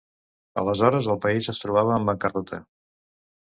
Aleshores el país es trobava en bancarrota.